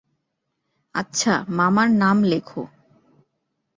আচ্ছা, মামার নাম লেখো।